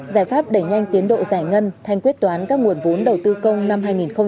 giải pháp đẩy nhanh tiến độ giải ngân thanh quyết toán các nguồn vốn đầu tư công năm hai nghìn một mươi tám